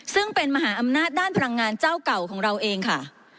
ซึ่งเป็นมหาอำนาจด้านพลังงานเจ้าเก่าของเราเองค่ะ